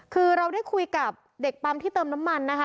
คือเราได้คุยกับเด็กปั๊มที่เติมน้ำมันนะคะ